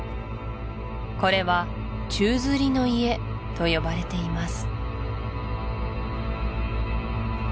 これは宙吊りの家と呼ばれています